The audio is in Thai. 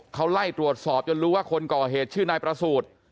เขาไล่ตรวจสอบจนรู้ว่าคนก่อเหตุชื่อนายประสูจน์